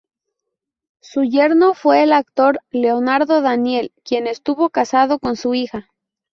Su yerno fue el actor Leonardo Daniel quien estuvo casado con su hija.